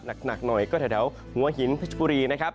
หนักหน่อยก็แถวหัวหินเพชรบุรีนะครับ